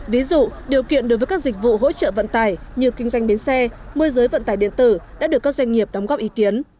ví dụ điều kiện đối với các dịch vụ hỗ trợ vận tải như kinh doanh biến xe môi giới vận tải điện tử đã được các doanh nghiệp đóng góp ý kiến